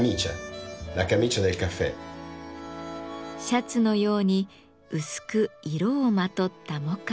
シャツのように薄く色をまとったモカ。